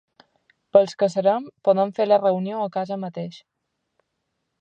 Pels que serem, podem fer la reunió a casa mateix.